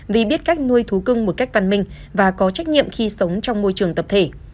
vì biết cách nuôi thú cưng một cách văn minh và có trách nhiệm khi sống trong môi trường tập thể